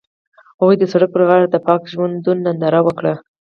هغوی د سړک پر غاړه د پاک ژوند ننداره وکړه.